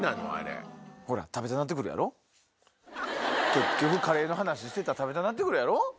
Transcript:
結局カレーの話してたら食べたなってくるやろ。